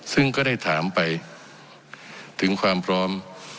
ซึ่งก็ได้ถามไปถึงความพร้อม